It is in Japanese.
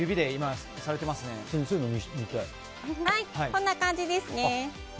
こんな感じですね。